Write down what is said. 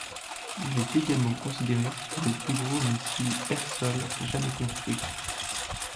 Il est également considéré comme le plus gros missile air-sol jamais construit.